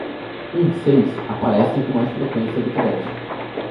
Um seis aparece com mais frequência do que dez.